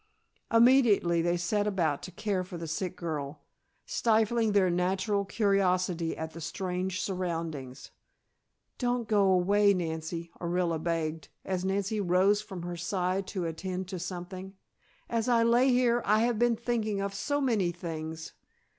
Immediately they set about to care for the sick girl, stifling their natural curiosity at the strange surroundings. "Don't go away, Nancy," Orilla begged, as Nancy rose from her side to attend to something. "As I lay here I have been thinking of so many things.